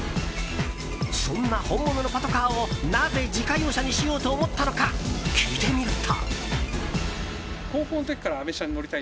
そんな本物のパトカーをなぜ自家用車にしようと思ったのか聞いてみると。